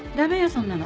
そんなの。